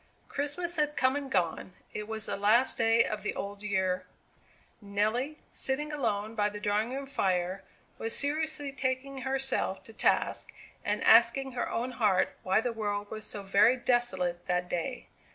Christmas had come and gone. It was the last day of the old year; Nelly, sitting alone by the drawing room fire, was seriously taking herself to task, and asking her own heart why the world was so very desolate that day?